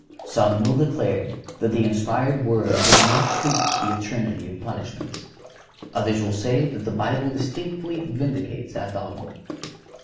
Some will declare that the inspired Word does not preach the eternity of punishments. Others will say that the Bible distinctly vindicates that dogma.